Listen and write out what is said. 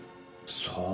さあ。